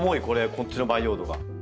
こっちの培養土が。